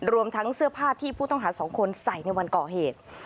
รวมทั้งเสื้อผ้าที่ผู้ต้องหาสองคนใส่ในวันก่อเหตุ